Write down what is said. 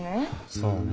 そうね。